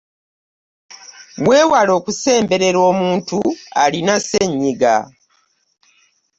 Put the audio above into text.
Weewale okusemberera omuntu alina ssenyiga.